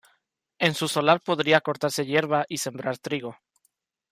En su solar podría cortarse hierba y sembrar trigo.